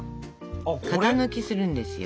型抜きするんですよ。